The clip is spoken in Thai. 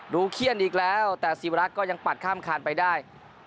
เขี้ยนอีกแล้วแต่ศิวรักษ์ก็ยังปัดข้ามคานไปได้